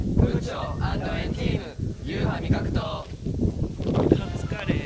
あカツカレー？